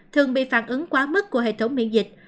thường bị phản ứng quá mức của hệ thống miễn dịch